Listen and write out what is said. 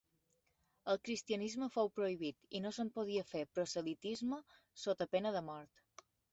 El cristianisme fou prohibit i no se'n podia fer proselitisme sota pena de mort.